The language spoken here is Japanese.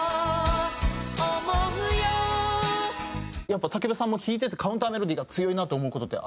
やっぱ武部さんも弾いててカウンター・メロディーが強いなって思う事って。